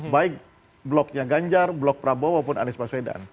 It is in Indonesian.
baik bloknya ganjar blok prabowo atau anies paswedan